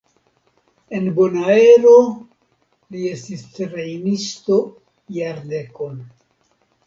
En Bonaero li estis trejnisto jardekon.